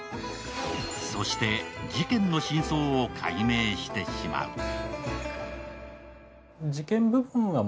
そして事件の真相を解明してしまう。